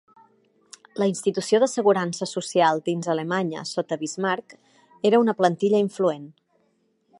La institució d'assegurança social dins Alemanya sota Bismarck era una plantilla influent.